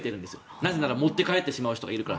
なぜなら持って帰ってしまう人がいるから。